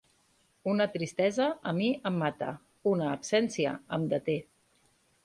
Una tristesa a mi em mata, una absència em deté.